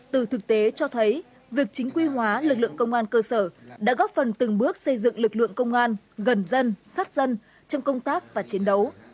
từ thực tế cho thấy việc chính quy hóa lực lượng công an cơ sở đã góp phần từng bước xây dựng lực lượng công an gần dân sát dân trong công tác và chiến đấu